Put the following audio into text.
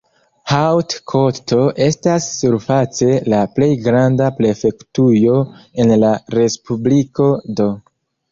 Haute-Kotto estas surface la plej granda prefektujo en la respubliko do.